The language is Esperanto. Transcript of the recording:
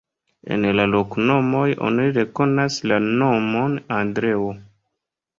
En la loknomoj oni rekonas la nomon Andreo.